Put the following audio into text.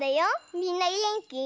みんなげんき？